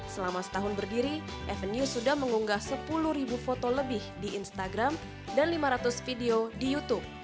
selama setahun berdiri avenue sudah mengunggah sepuluh ribu foto lebih di instagram dan lima ratus video di youtube